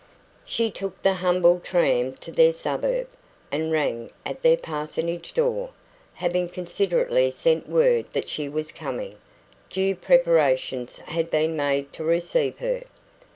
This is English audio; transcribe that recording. She took the humble tram to their suburb, and rang at their parsonage door. Having considerately sent word that she was coming, due preparations had been made to receive her.